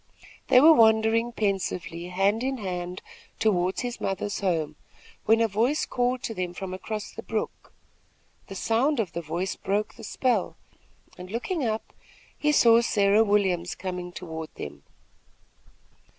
They were wandering pensively hand in hand toward his mother's home, when a voice called to them from across the brook. The sound of the voice broke the spell, and, looking up, he saw Sarah Williams coming toward them.